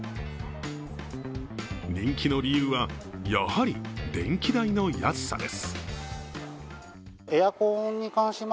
人気の理由はやはり電気代の安さです。